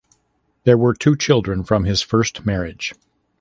There were two children from his first marriage.